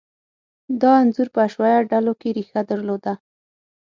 دا انځور په حشویه ډلو کې ریښه درلوده.